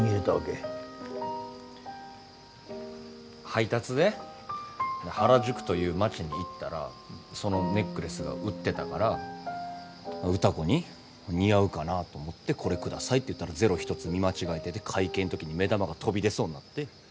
配達で原宿という街に行ったらそのネックレスが売ってたから歌子に似合うかなと思って「これ下さい」って言ったらゼロ一つ見間違えてて会計の時に目玉が飛び出そうになって。